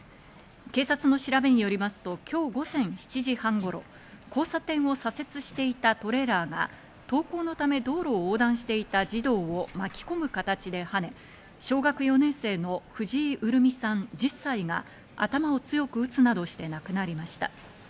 警察の調べによりますと今日午前７時半頃、交差点を左折していたトレーラーが登校のため、道路を横断していた児童を巻き込む形ではね、小学４年生の藤井潤美さん１０歳が頭を強く打つなどして亡くなりました。